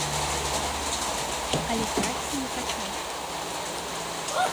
Але красці не хацеў.